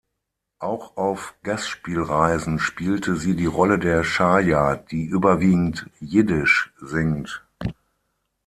Auch auf Gastspielreisen spielte sie die Rolle der "Chaja", die überwiegend jiddisch singt.